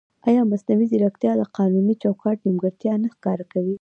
ایا مصنوعي ځیرکتیا د قانوني چوکاټ نیمګړتیا نه ښکاره کوي؟